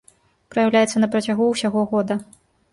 Праяўляецца на працягу ўсяго года.